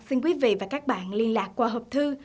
xin quý vị và các bạn liên lạc qua hộp thư